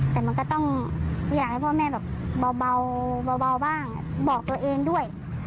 แต่มันก็ต้องอยากให้พ่อแม่แบบเบาบ้างบอกตัวเองด้วย